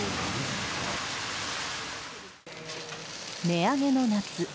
値上げの夏。